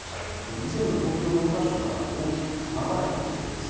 以前の東京モーターショーから大きく様変わりしているんです。